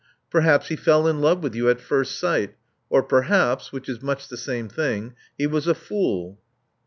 *Terhaps he fell in love with you at first sight. Or perhaps — which is much the same thing — ^he was a fool."